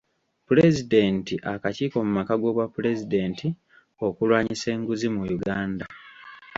Pulezidenti akakiiko mu maka g’Obwapulezidenti okulwanyisa enguzi mu Uganda.